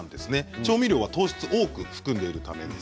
調味料は糖質を多く含んでいるためです。